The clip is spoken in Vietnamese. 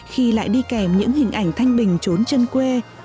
khi lại đi kèm những hình ảnh thanh bình trốn chân quê